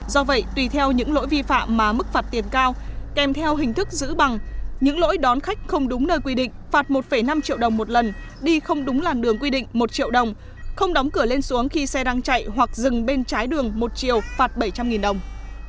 do vậy tùy theo những lỗi vi phạm mà mức phạt tiền cao kèm theo hình thức giữ bằng những lỗi đón khách không đúng nơi quy định phạt một năm triệu đồng một lần đi không đúng làn đường quy định một triệu đồng không đóng cửa lên xuống khi xe đang chạy hoặc dừng bên trái đường một chiều phạt bảy trăm linh đồng